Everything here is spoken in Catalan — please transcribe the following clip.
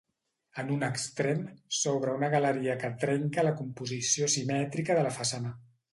En un extrem s'obre una galeria que trenca la composició simètrica de la façana.